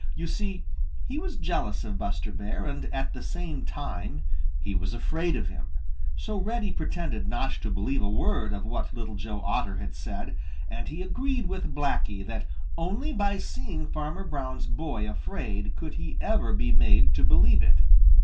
You see, he was jealous of Buster Bear, and at the same time he was afraid of him. So Reddy pretended not to believe a word of what Little Joe Otter had said, and he agreed with Blacky that only by seeing Farmer Brown's boy afraid could he ever be made to believe it.